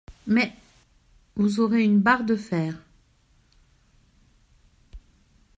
Mais … Vous aurez une barre de fer.